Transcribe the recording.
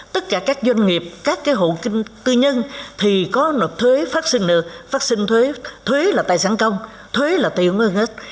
tất cả các doanh nghiệp các hộ tư nhân thì có nộp thuế phát sinh thuế thuế là tài sản công thuế là tiêu nguyên hết